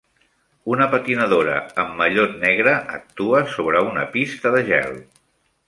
Una patinadora amb mallot negre actua sobre una pista de gel.